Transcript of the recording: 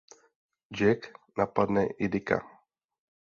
Jack napadne i Dicka.